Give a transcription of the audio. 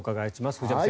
藤山さん